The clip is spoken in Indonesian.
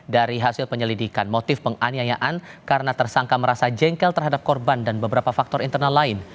dari hasil penyelidikan motif penganiayaan karena tersangka merasa jengkel terhadap korban dan beberapa faktor internal lain